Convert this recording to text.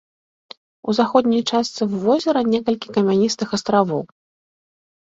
У заходняй частцы возера некалькі камяністых астравоў.